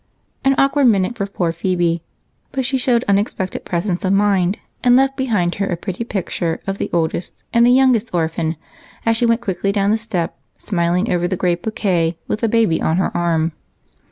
An awkward minute for poor Phebe, but she showed unexpected presence of mind and left behind her a pretty picture of the oldest and youngest orphan as she went quickly down the step, smiling over the great bouquet with the baby on her arm.